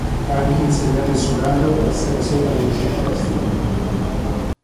Ha anche insegnato e suonato al Sarasota Music Festival.